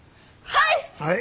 はい！